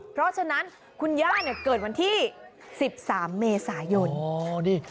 เพราะฉะนั้นคุณย่าเนี่ยเกิดวันที่๑๓เมษายน